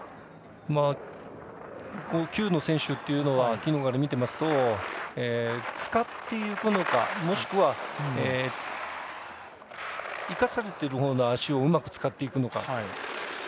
９の選手というのは昨日から見ていますと使っていくのかもしくは生かされているほうの足をうまく使っていくのか。